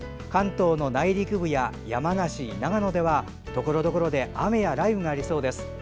関東の内陸部や山梨、長野ではところどころで雨や雷雨がありそうです。